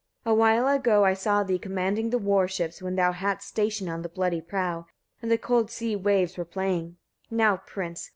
11. A while ago I saw thee commanding the warships, when thou hadst station on the bloody prow, and the cold sea waves were playing. Now, prince!